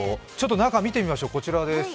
中を見てみましょう、こちらです